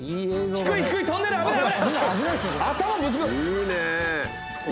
低い低いトンネル危ない危ない！